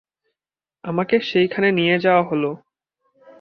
আমাকে সেইখানে নিয়ে যাওয়া হল।